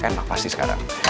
udah enak pasti sekarang